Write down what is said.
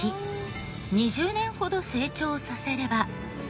２０年ほど成長させれば。